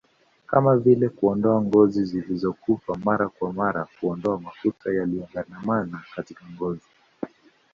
kama vile kuondoa ngozi zilizokufa mara kwa mara Kuondoa mafuta yaliyogandamana katika ngozi